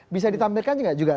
bisa ditampilkan juga